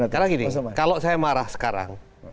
karena gini kalau saya marah sekarang